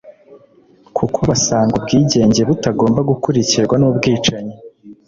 kuko basanga ubwigenge butagombaga gukurikirwa n’ubwicanyi